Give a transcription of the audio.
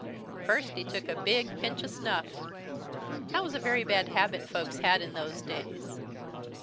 "First he took a big pinch o' snuff. That was a very bad habit folks had in those days.